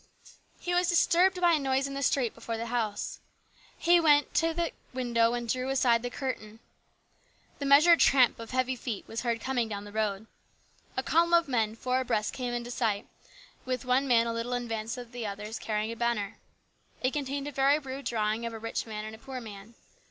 He was disturbed by a noise in the street before the house. He went to the window and drew aside the curtain. The measured tramp of heavy feet was heard coming down the road. A column of men four abreast came into sight, with one man a little in advance of the others carrying a banner. It contained a very rude drawing of a rich man and a poor man.